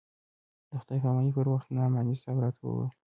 د خداى پاماني پر وخت نعماني صاحب راته وويل.